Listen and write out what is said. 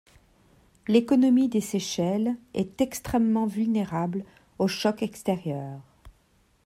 L'économie des Seychelles est extrêmement vulnérable aux chocs extérieurs.